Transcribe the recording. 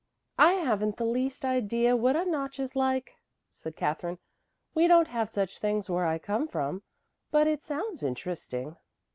"I haven't the least idea what a notch is like," said Katherine. "We don't have such things where I come from. But it sounds interesting."